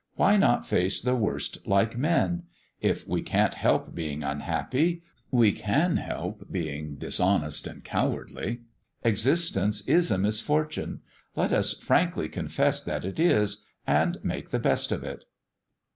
Why not face the worst like men? If we can't help being unhappy we can help being dishonest and cowardly. Existence is a misfortune. Let us frankly confess that it is, and make the best of it."